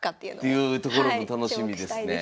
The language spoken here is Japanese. いうところも楽しみですね。